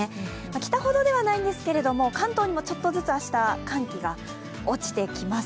北ほどではないんですけれども関東にもちょっとずつ明日寒気が落ちてきます